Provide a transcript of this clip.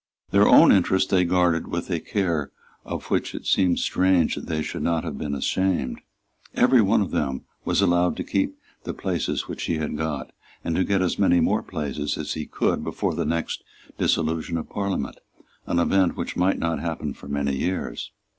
Their own interest they guarded with a care of which it seems strange that they should not have been ashamed. Every one of them was allowed to keep the places which he had got, and to get as many more places as he could before the next dissolution of Parliament, an event which might not happen for many years.